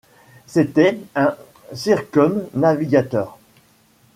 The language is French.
C’était un circumnavigateur.